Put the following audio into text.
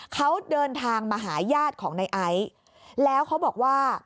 เขาเดินทางมาหาญาติของในไอซ์แล้วเขาบอกว่า